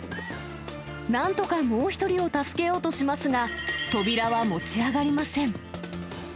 なんとかもう一人を助けようとしますが、扉は持ち上がりません。